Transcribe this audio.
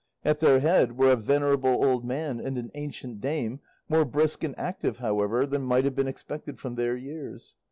At their head were a venerable old man and an ancient dame, more brisk and active, however, than might have been expected from their years.